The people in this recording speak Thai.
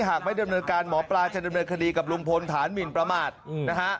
หากไม่ดำเนินการหมอปลาจะดำเนินคดีกับลุงพลฐานหมินประมาทนะฮะ